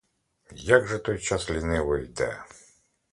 Як же той час ліниво йде.